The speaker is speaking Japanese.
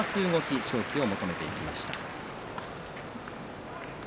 相撲勝機を求めていきました。